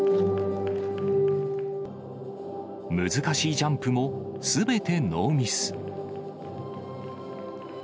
難しいジャンプも、すべてノーミス。